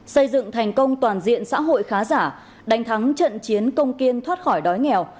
xây dựng thành công toàn diện xã hội khá giả đánh thắng trận chiến công kiên thoát khỏi đói nghèo